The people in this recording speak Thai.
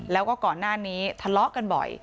แล้วก็ก่อนหน้านี้ทะเลาะกันบ่อย